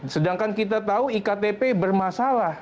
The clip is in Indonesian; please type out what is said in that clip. sedangkan kita tahu iktp bermasalah